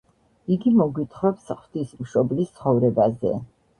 იგი მოგვითხრობს ღვთისმშობლის ცხოვრებაზე.